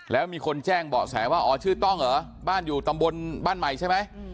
แล้วมีคนแจ้งเบาะแสว่าอ๋อชื่อต้องเหรอบ้านอยู่ตำบลบ้านใหม่ใช่ไหม